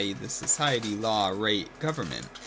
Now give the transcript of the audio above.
with society, law, right, government.